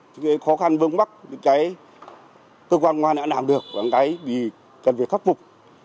cái khó khăn vương mắc cái cơ quan công an đã làm được cái cần phải khắc phục